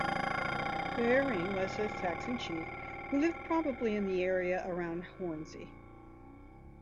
Haering was a Saxon chief who lived probably in the area around Hornsey.